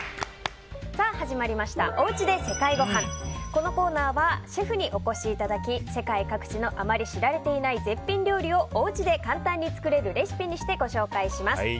このコーナーはシェフにお越しいただき世界各地のあまり知られていない絶品料理をおうちで簡単に作れるレシピにしてご紹介します。